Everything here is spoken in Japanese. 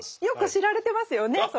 よく知られてますよね